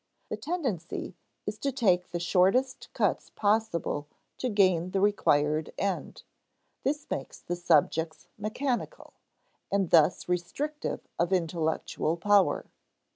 The tendency is to take the shortest cuts possible to gain the required end. This makes the subjects mechanical, and thus restrictive of intellectual power.